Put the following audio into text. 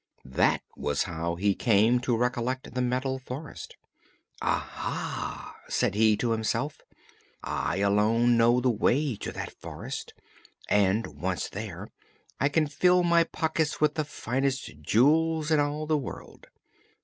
That was how he came to recollect the Metal Forest. "Aha!" said he to himself, "I alone know the way to that Forest, and once there I can fill my pockets with the finest jewels in all the world."